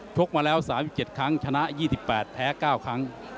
กมาแล้ว๓๗ครั้งชนะ๒๘แพ้๙ครั้ง